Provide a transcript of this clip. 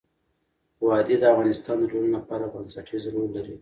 وادي د افغانستان د ټولنې لپاره بنسټيز رول لري.